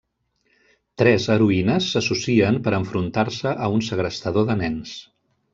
Tres heroïnes s'associen per enfrontar-se a un segrestador de nens.